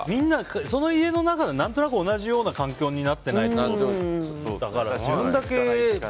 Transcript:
その家の中が何となく同じような環境になってないと。